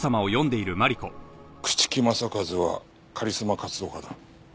朽木政一はカリスマ活動家だ。